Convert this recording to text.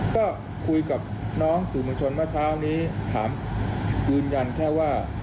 ก็คุยกับน้องสื่อมวลชนเมื่อเช้านี้ถามยืนยันแค่ว่า